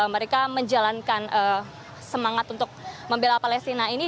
mereka menjalankan semangat untuk membela palestina ini